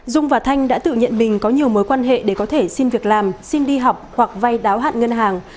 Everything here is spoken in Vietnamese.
dung và thanh đã tự nhận bình có nhiều mối quan hệ để có thể xin việc làm xin đi học hoặc vay đáo hạn ngân hàng